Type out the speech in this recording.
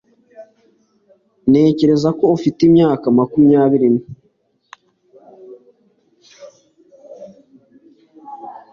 Ntekereza ko ufite imyaka makumyabiri